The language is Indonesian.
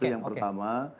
itu yang pertama